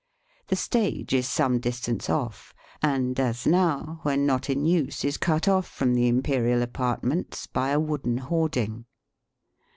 The stage is some distance off, and, as now, when not in use is cut off from the imperial apartments by a wooden hoarding.